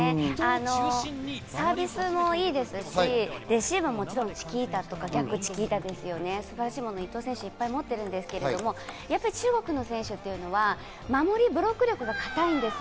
サービスもいいですし、レシーブももちろんチキータとか逆チキータですね、素晴らしいものを伊藤選手はいっぱいもってますが、中国の選手というのは守り、ブロック力が高いんです。